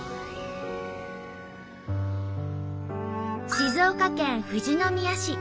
静岡県富士宮市。